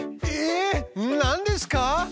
え何ですか？